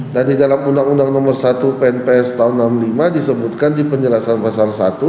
dan di dalam undang undang nomor satu pnps tahun seribu sembilan ratus enam puluh lima disebutkan di penjelasan pasal satu